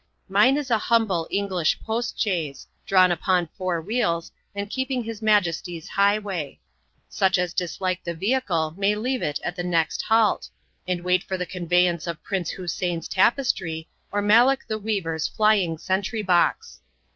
Mine is a humble English post chaise, drawn upon four wheels, and keeping his Majesty's highway. Such as dislike the vehicle may leave it at the next halt, and wait for the conveyance of Prince Hussein's tapestry, or Malek the Weaver's flying sentrybox.